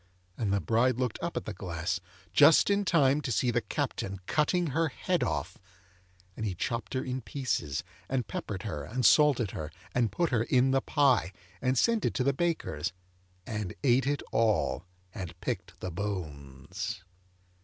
And the bride looked up at the glass, just in time to see the Captain cutting her head off; and he chopped her in pieces, and peppered her, and salted her, and put her in the pie, and sent it to the baker's, and ate it all, and picked the bones.